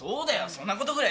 そんなことぐらい。